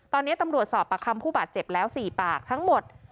ตอนนี้ตำรวจสอบประคำผู้บาดเจ็บแล้ว๔ปากทั้งหมด